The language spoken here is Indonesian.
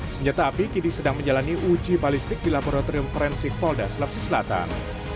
senjata api kini sedang menjalani uji balistik di laboratorium forensik polda sulawesi selatan